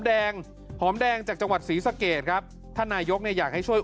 แดงหอมแดงจากจังหวัดศรีสะเกดครับท่านนายกเนี่ยอยากให้ช่วย